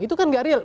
itu kan gak real